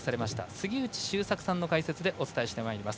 杉内周作さんの解説でお伝えしてまいります。